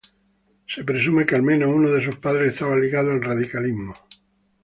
Se presume que al menos uno de sus padres estaba ligado al radicalismo.